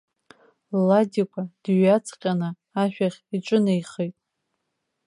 Ладикәа дҩаҵҟьаны ашәахь иҿынеихеит.